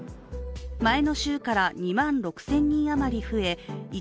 前の週から２万６０００人余り増え１